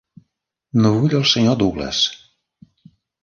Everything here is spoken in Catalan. No vull el Sr. Douglas.